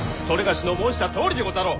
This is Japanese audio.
某の申したとおりでござろう！